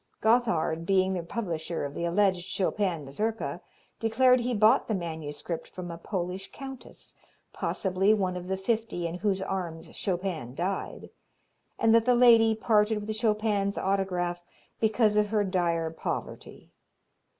Gotthard being the publisher of the alleged Chopin Mazurka, declared he bought the manuscript from a Polish countess possibly one of the fifty in whose arms Chopin died and that the lady parted with Chopin's autograph because of her dire poverty.